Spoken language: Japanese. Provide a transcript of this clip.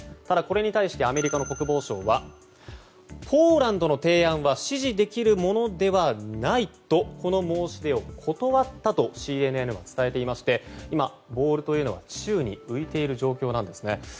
ただ、これに対してアメリカの国防省はポーランドの提案は支持できるものではないとこの申し出を断ったとＣＮＮは伝えていまして今、ボールというのは宙に浮いている状況なんです。